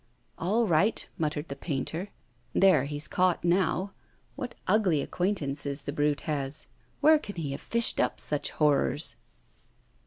'All right!' muttered the painter. 'There he's caught now. What ugly acquaintances the brute has! Where can he have fished up such horrors?